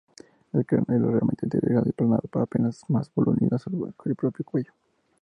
El cráneo era relativamente delgado y aplanado, apenas más voluminoso que el propio cuello.